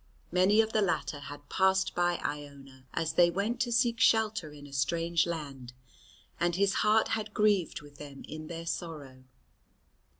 Many of the latter had passed by Iona as they went to seek shelter in a strange land, and his heart had grieved with them in their sorrow.